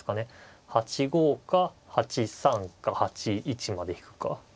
８五か８三か８一まで引くか。